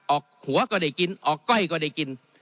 ออกหัวก็ได้กินออกก้อยก็ได้กิน